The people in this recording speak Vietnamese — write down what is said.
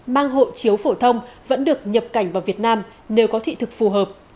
mang hộ chiếu phổ thông vẫn được nhập cảnh vào việt nam nếu có thị thực phù hợp